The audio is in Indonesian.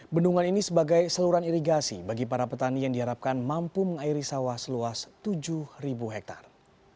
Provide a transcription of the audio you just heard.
bendungan ini sebagai saluran irigasi bagi para petani yang diharapkan mampu mengairi sawah seluas tujuh hektare